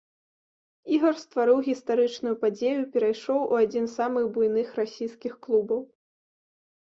Ігар стварыў гістарычную падзею, перайшоў у адзін з самых буйных расійскіх клубаў.